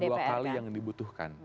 dua kali yang dibutuhkan